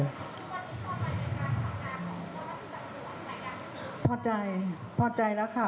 คุณว่าที่ต่อไปในการขอบคุณค่ะคุณว่าคุณจะรู้หรือไม่กัน